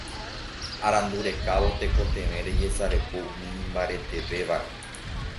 Arandu rekávo tekotevẽ rejesareko umi imbaretévare